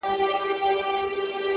هغه به څرنګه بلا وویني’